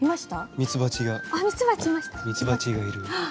ミツバチがいる。